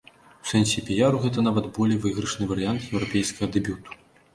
У сэнсе піяру гэта нават болей выйгрышны варыянт еўрапейскага дэбюту.